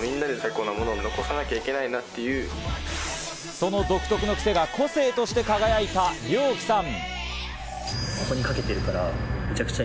その独特のクセが個性として輝いたリョウキさん。